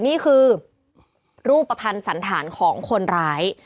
นี่คือรูปประพันธ์สันฐานของคนร้าย